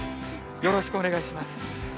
よろしくお願いします。